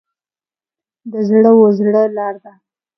د زړه و زړه لار ده.